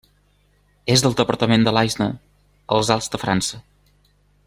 És del departament de l'Aisne, als Alts de França.